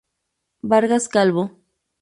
Vargas Calvo.